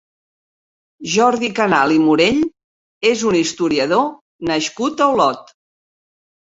Jordi Canal i Morell és un historiador nascut a Olot.